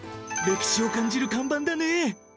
歴史を感じる看板だね。